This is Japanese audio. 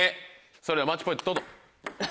それではマッチポイントどうぞ。